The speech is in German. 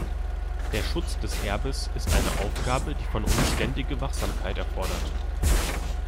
Der Schutz des Erbes ist eine Aufgabe, die von uns ständige Wachsamkeit erfordert.